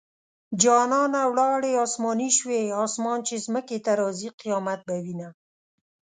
جانانه ولاړې اسماني شوې - اسمان چې ځمکې ته راځي؛ قيامت به وينه